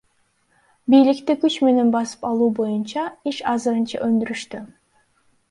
Бийликти күч менен басып алуу боюнча иш азырынча өндүрүштө.